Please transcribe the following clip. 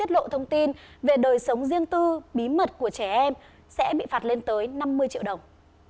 tiết lộ thông tin về đời sống riêng tư bí mật của trẻ em sẽ bị phạt lên tới năm mươi triệu đồng